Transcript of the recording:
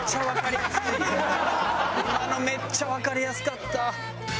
今のめっちゃわかりやすかった。